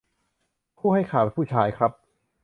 ผู้ให้ข่าวเป็นผู้ชายครับ